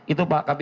itu pak kabin